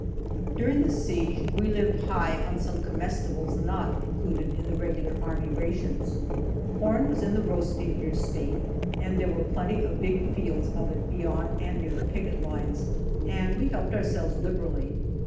During the siege we lived high on some comestibles not included in the regular army rations. Corn was in the roasting ear state, and there were plenty of big fields of it beyond and near the picket lines, and we helped ourselves liberally.